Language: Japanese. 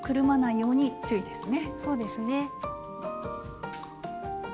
そうですね。